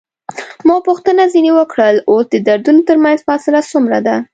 ما پوښتنه ځنې وکړل: اوس د دردونو ترمنځ فاصله څومره ده؟